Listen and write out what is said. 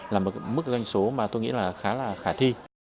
là một mức doanh số mà tôi nghĩ là khá là khả thi